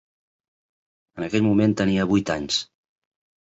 En aquell moment tenia vuit anys.